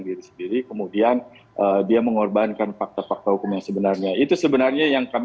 diri sendiri kemudian dia mengorbankan fakta fakta hukum yang sebenarnya itu sebenarnya yang kami